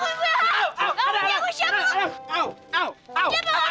nganggutnya gue siapa